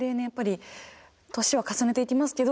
やっぱり年は重ねていきます